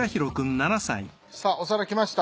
さあお皿来ました。